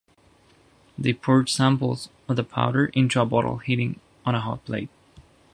They poured samples of the powder into a bottle heating on a hot plate.